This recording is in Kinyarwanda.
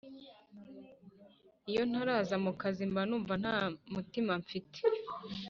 Iyo ntaraza mu kazi mbanumva ntamutima mfite